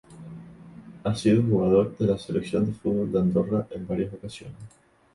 Ha sido jugador de la selección de fútbol de Andorra en varias ocasiones.